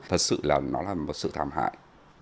thật sự là nó là một sự thảm hại